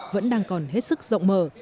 vẫn đang còn hết sức rộng mở